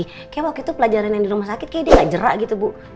kayaknya waktu itu pelajaran yang di rumah sakit kayaknya dia gak jerak gitu bu